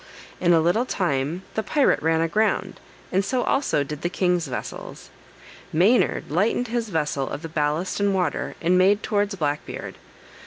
In a little time the pirate ran aground, and so also did the king's vessels. Maynard lightened his vessel of the ballast and water, and made towards Black Beard.